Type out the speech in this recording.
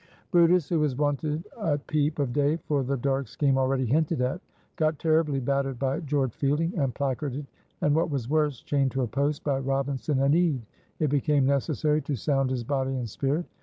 brutus, who was wanted at peep of day for the dark scheme already hinted at, got terribly battered by George Fielding, and placarded, and, what was worse, chained to a post, by Robinson and Ede. It became necessary to sound his body and spirit.